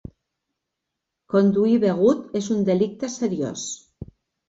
Conduir begut és un delicte seriós.